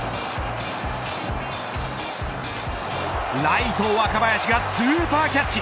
ライト若林がスーパーキャッチ。